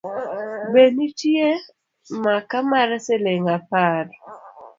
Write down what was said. Be nitie maka mar siling’ apar?